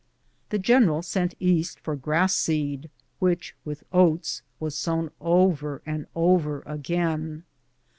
The general sent East for grass seed, which, with oats, were sown over and over again.